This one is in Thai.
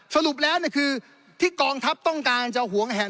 สรุปแล้วคือที่กองทัพต้องการจะหวงแห่ง